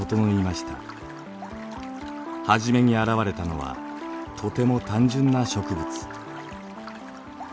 はじめに現れたのはとても単純な植物。